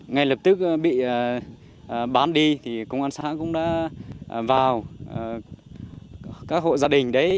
ngay lập tức bị bám đi thì công an xã cũng đã vào các hộ gia đình đấy